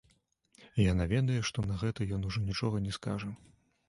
Яна ведае, што на гэта ён ужо нічога не скажа.